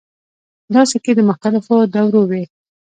دا سکې د مختلفو دورو وې